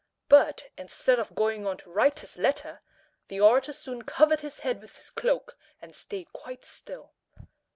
But, instead of going on to write his letter, the orator soon covered his head with his cloak and staid quite still.